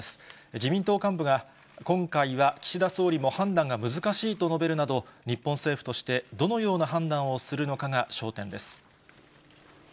自民党幹部が今回は岸田総理も判断が難しいと述べるなど、日本政府としてどのような判断をするのかが焦点です。